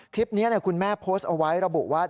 คลิปนี้คุณแม่โพสต์เอาไว้ระบุว่า